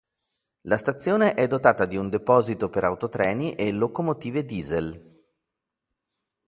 La stazione è dotata di un deposito per autotreni e locomotive diesel.